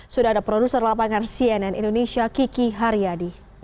sudah ada produser lapangan cnn indonesia kiki haryadi